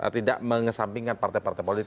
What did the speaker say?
tidak mengesampingkan partai partai politik